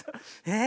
え。